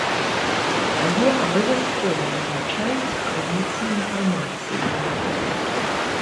Але абавязкова пазначайце крыніцы інфармацыі.